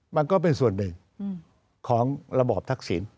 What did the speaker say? มันก็เป็นส่วนหนึ่งของระบอบทักษิณ